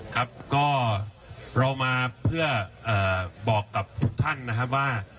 ครับก็เรามาเพื่อบอกกับทุกท่านนะครับว่า